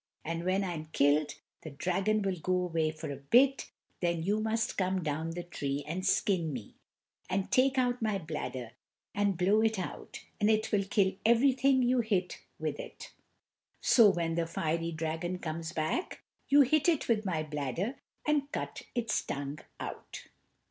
And when I'm killed, the dragon will go away for a bit, then you must come down the tree and skin me, and take out my bladder and blow it out, and it will kill everything you hit with it. So when the fiery dragon comes back, you hit it with my bladder and cut its tongue out."